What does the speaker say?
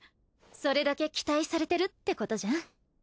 それだけ期待されてるってことじゃん。